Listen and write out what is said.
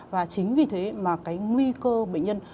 và chính vì thế mà cái nguy cơ bệnh nhân